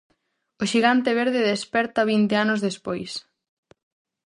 O xigante verde desperta vinte anos despois.